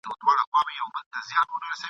زه به مي دا عمر په کچکول کي سپلنی کړمه ,